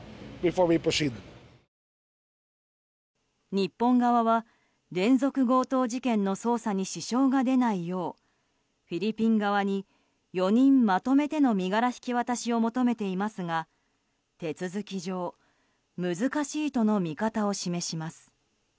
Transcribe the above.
日本側は連続強盗事件の捜査に支障が出ないようフィリピン側に、４人まとめての身柄引き渡しを求めていますが手続き上、難しいとの見方を示します。